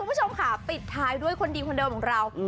คุณผู้ชมค่ะปิดท้ายด้วยคนดีคนเดิมของเรา